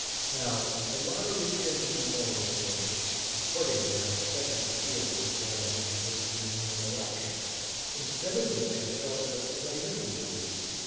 Now, a lottery is an immoral thing, accordingly I expected to feel as though I had committed an immoral action, instead of which I felt just as I usually do.